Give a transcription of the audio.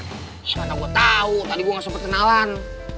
gimana gua tau tadi gua gak sempet kenalan